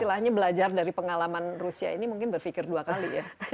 istilahnya belajar dari pengalaman rusia ini mungkin berpikir dua kali ya